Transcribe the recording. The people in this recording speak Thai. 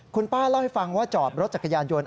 คุณป้าเล่าให้ฟังว่าจอดรถจักรยานยนต์